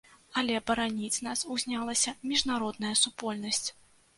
Але бараніць нас узнялася міжнародная супольнасць.